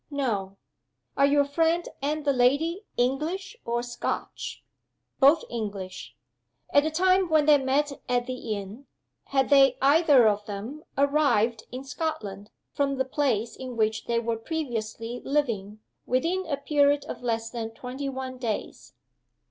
"No." "Are your friend and the lady English or Scotch?" "Both English." "At the time when they met at the inn, had they either of them arrived in Scotland, from the place in which they were previously living, within a period of less than twenty one days?"